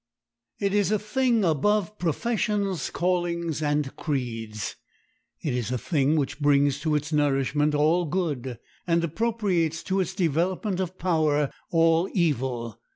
It is a thing above professions, callings, and creeds. It is a thing which brings to its nourishment all good, and appropriates to its development of power all evil.